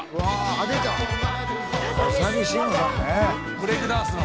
「ブレークダンスの」